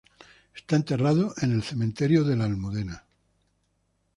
Está enterrado en el cementerio de La Almudena.